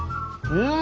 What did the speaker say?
うん！